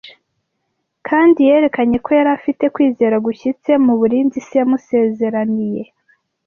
kandi yerekanye ko yari afite kwizera gushyitse mu burinzi Se yamusezeraniye